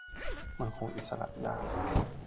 มันคงอิสระยาก